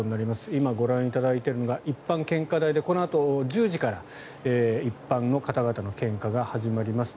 今、ご覧いただいているのが一般献花台でこのあと１０時から一般の方々の献花が始まります。